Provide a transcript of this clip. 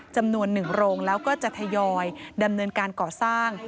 จำนวน๑โรงแล้วก็จะทยอยดำเนินการก่อสร้าง